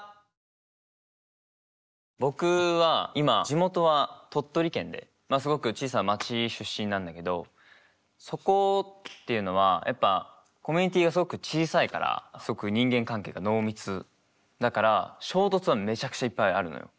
僕は今地元は鳥取県ですごく小さな町出身なんだけどそこっていうのはやっぱコミュニティーがすごく小さいからすごく人間関係が濃密だから衝突はめちゃくちゃいっぱいあるのよ。